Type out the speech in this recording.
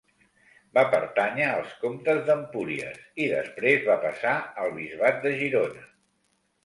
Va pertànyer als comtes d'Empúries i després va passar al bisbat de Girona.